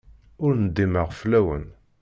Ur ndimeɣ fell-awen.